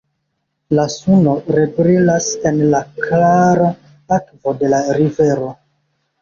La suno rebrilas en la klara akvo de la rivero.